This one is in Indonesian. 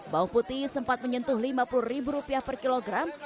bawang putih sempat menyentuh rp lima puluh per kilogram